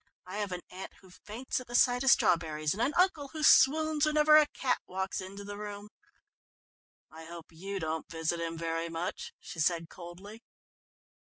"I have an aunt who faints at the sight of strawberries, and an uncle who swoons whenever a cat walks into the room." "I hope you don't visit him very much," she said coldly.